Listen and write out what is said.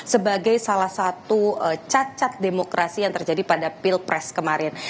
sebagai salah satu cacat demokrasi yang terjadi pada pilpres kemarin